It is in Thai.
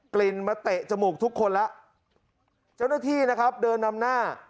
กลิ่นมาเตะจมูกทุกคนแล้วเจ้าหน้าที่นะครับเดินนำหน้า